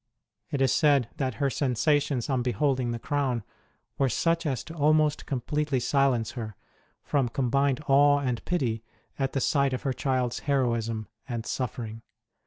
It is said that her sensations on beholding the crown were such as to almost completely silence her, from combined awe and pity at the sight of her child s heroism and suffering.